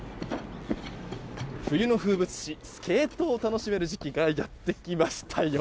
冬の風物詩スケートを楽しめる時期がやってきましたよ。